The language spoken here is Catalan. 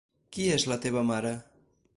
Qui és la teva mare?